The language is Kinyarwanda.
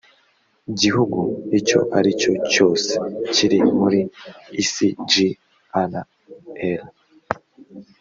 gihugu icyo ari cyo cyose kiri muri icglr